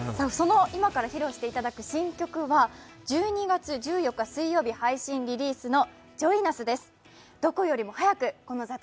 今から披露していただく新曲は１２月１４日水曜、日配信リリースの「ＪｏｉｎＵｓ！」